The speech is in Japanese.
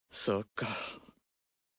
そうか。